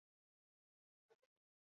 Lehenengoa, iazko urrian izan zen.